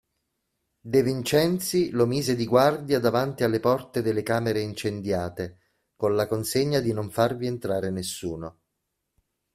De Vincenzi lo mise di guardia davanti alle porte delle camere incendiate, con la consegna di non farvi entrare nessuno.